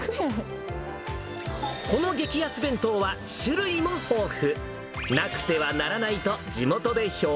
この激安弁当は種類も豊富。